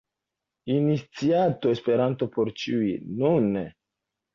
Iniciato Esperanto por ĉiuj – nun!